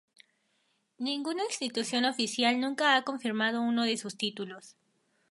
Ninguna institución oficial nunca ha confirmado uno de sus títulos.